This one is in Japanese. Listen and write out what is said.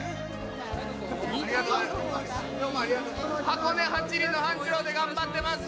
「箱根八里の半次郎」で頑張ってます